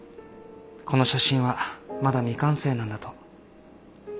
この写真はまだ未完成なんだと。